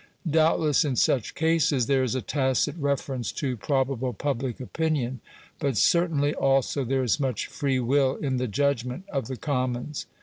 Doubtless in such cases there is a tacit reference to probable public opinion; but certainly also there is much free will in the judgment of the Commons.